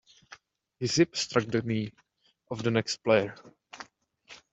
His hip struck the knee of the next player.